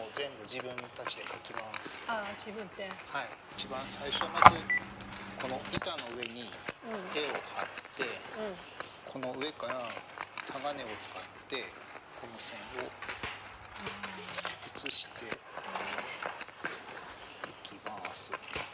一番最初まずこの板の上に絵を貼ってこの上からタガネを使ってこの線を写していきます。